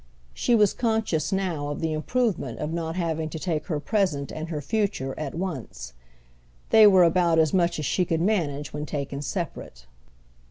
She was conscious now of the improvement of not having to take her present and her future at once. They were about as much as she could manage when taken separate.